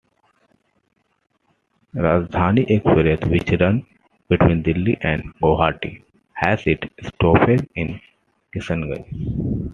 Rajdhani Express which runs between Delhi and Guwahati has its stoppage in Kishanganj.